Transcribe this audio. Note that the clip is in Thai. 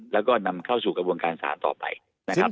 แล้วก็นำเข้าสู่กระบวนการศาลต่อไปนะครับ